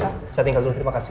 saya tinggal dulu terima kasih